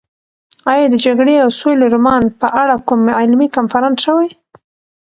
ایا د جګړې او سولې رومان په اړه کوم علمي کنفرانس شوی؟